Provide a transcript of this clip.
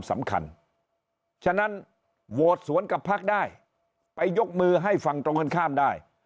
สำคัญฉะนั้นโหวตสวนกับพักได้ไปยกมือให้ฝั่งตรงกันข้ามได้